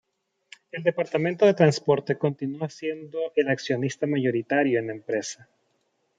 El Departamento de Transporte continúa siendo el accionista mayoritario en la empresa.